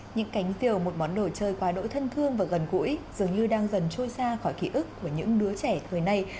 những cánh diều một món đồ chơi quá đội thân thương và gần gũi dường như đang dần trôi xa khỏi ký ức của những đứa trẻ thời này